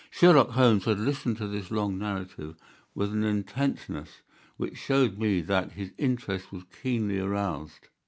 Sherlock Holmes had listened to this long narrative with an intentness which showed me that his interest was keenly aroused.